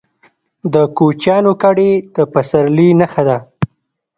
د کوچیانو کډې د پسرلي نښه ده.